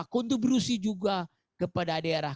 kontribusi juga kepada daerah